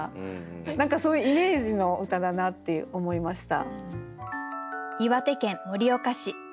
何かそういうイメージの歌だなって思いました。